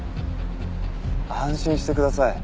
安心してください。